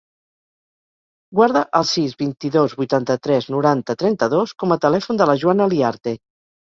Guarda el sis, vint-i-dos, vuitanta-tres, noranta, trenta-dos com a telèfon de la Joana Liarte.